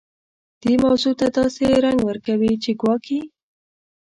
دې موضوع ته داسې رنګ ورکوي چې ګواکې.